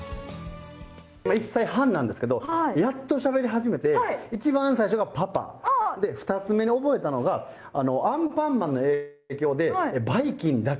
１歳半なんですけど、やっとしゃべり始めて、一番最初がパパ、で、２つ目に覚えたのが、アンパンマンの影響で、ばい菌だけ。